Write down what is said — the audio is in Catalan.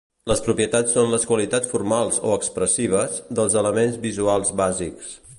Les propietats són les qualitats formals o expressives dels elements visuals bàsics.